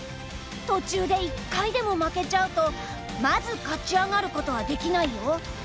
途中で一回でも負けちゃうとまず勝ち上がることはできないよ。